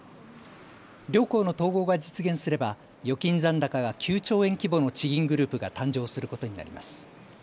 両行の統合が実現すれば預金残高が９兆円規模の地銀グループが誕生することになります。